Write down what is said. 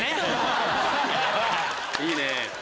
いいね！